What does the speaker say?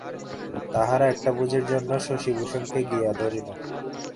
তাহারা একটা ভোজের জন্য শশিভূষণকে গিয়া ধরিল।